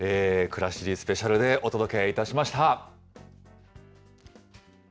くらしりスペシャルでお届けいたしました。